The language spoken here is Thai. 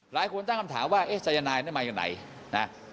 หลายคนตั้งคำถามว่าเอ๊ะสายนายมาอยู่ไหนนะ